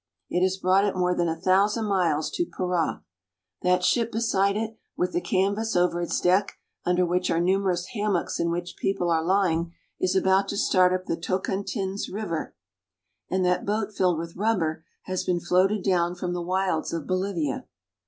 It has brought it more than a thousand miles to Para. That ship beside it, with the canvas over its deck, under which are numerous hammocks in which people are lying, is about to start up the Tocantins river, and that boat filled with rubber has been floated down from the wilds of Bolivia.